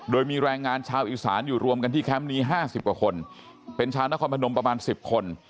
โดยมีแรงงานชาวอีสานอยู่รวมกันที่แคมป์นี้๕๐กว่าคนเป็นชาวนครพนมประมาณ๑๐คน